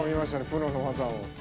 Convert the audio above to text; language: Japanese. プロの技を。